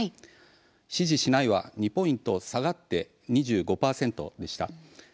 支持しないは２ポイント下がって２５％でした。